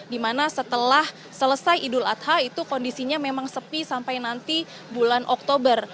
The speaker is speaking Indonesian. dimana setelah selesai idul adha itu kondisinya memang sepi sampai nanti bulan oktober